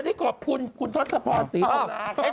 ไม่ออกแล้วไม่ออกแล้ว